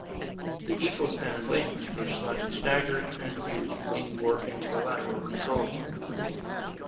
The equal-span wings were slightly staggered and used wing warping for lateral control.